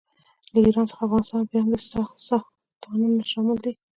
له ایران څخه افغانستان او بیا همداسې ستانونه شامل دي.